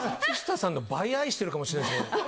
「松下さんの倍愛してるかもしれないですね」